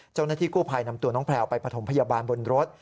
เจ้าหน้าที่กู้ภัยนำตัวน้องแพลวไปปฐมพยาบาลบนรถ